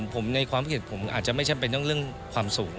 ผมในความคิดผมอาจจะไม่จำเป็นต้องเรื่องความสูง